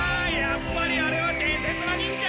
やっぱりあれは伝説の忍者？